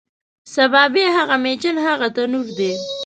سبا بیا هغه میچن، هغه تنور دی